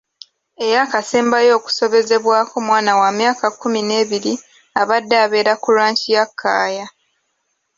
Eyakasembayo okusobezebwako mwana w'amyaka kkumi n'ebiri abadde abeera ku ranch ya Kaaya.